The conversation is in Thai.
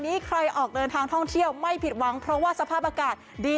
ใครออกเดินทางท่องเที่ยวไม่ผิดหวังเพราะว่าสภาพอากาศดี